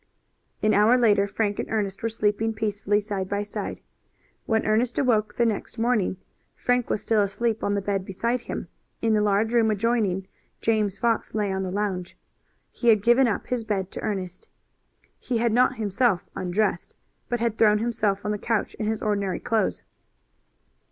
An hour later Frank and Ernest were sleeping peacefully side by side. When Ernest awoke the next morning Frank was still asleep on the bed beside him. In the large room adjoining, James Fox lay on the lounge. He had given up his bed to Ernest. He had not himself undressed, but had thrown himself on the couch in his ordinary clothes.